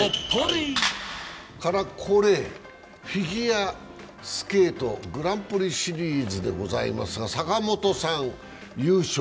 これ、フィギュアスケート、グランプリシリーズでございますが坂本さん、優勝。